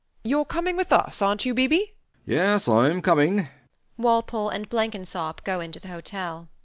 Youre coming with us, arnt you, B. B.? B. B. Yes: I'm coming. [Walpole and Blenkinsop go into the hotel].